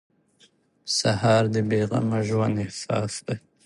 سهار د بې غمه ژوند احساس دی.